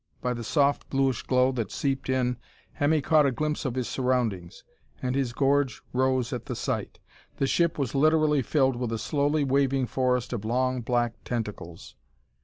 By the soft bluish glow that seeped in Hemmy caught a glimpse of his surroundings, and his gorge rose at the sight. The ship was literally filled with a slowly waving forest of long black tentacles.